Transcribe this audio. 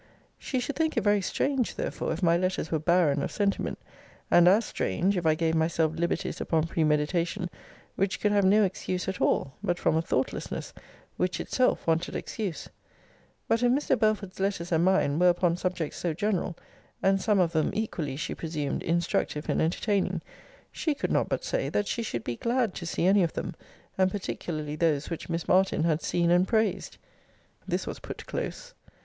She should think it very strange therefore, if my letters were barren of sentiment; and as strange, if I gave myself liberties upon premeditation, which could have no excuse at all, but from a thoughtlessness, which itself wanted excuse. But if Mr. Belford's letters and mine were upon subjects so general, and some of them equally (she presumed) instructive and entertaining, she could not but say, that she should be glad to see any of them; and particularly those which Miss Martin had seen and praised. This was put close.